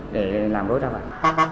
để làm đối ra bản